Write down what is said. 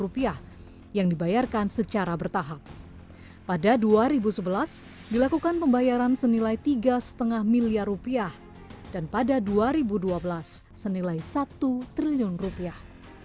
pada tahun dua ribu sebelas dilakukan pembayaran senilai tiga lima miliar rupiah dan pada dua ribu dua belas senilai satu triliun rupiah